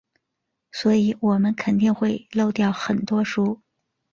所以我们肯定会漏掉很多书。